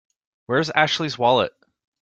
Where's Ashley's wallet?